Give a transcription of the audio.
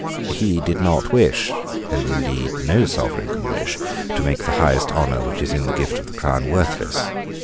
He did not wish, and indeed no sovereign can wish, to make the highest honour which is in the gift of the crown worthless.